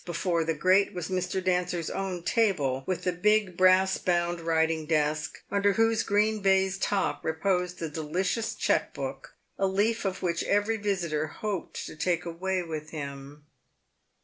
Before the grate was Mr. Dancer's own table, with the big, brass bound writing desk, under whose green baize top reposed the delicious cheque book, a leaf of which every visitor hoped to take away with him.